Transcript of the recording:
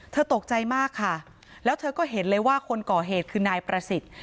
ตกใจมากค่ะแล้วเธอก็เห็นเลยว่าคนก่อเหตุคือนายประสิทธิ์